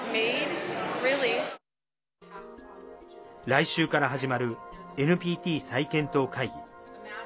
来週から始まるＮＰＴ再検討会議。